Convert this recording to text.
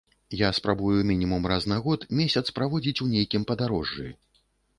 Я спрабую мінімум раз на год месяц праводзіць у нейкім падарожжы.